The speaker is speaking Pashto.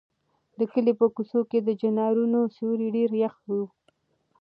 د کلي په کوڅو کې د چنارونو سیوري ډېر یخ وو.